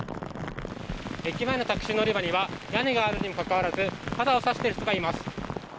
駅前のタクシー乗り場には、屋根があるにもかかわらず、傘を差している人がいます。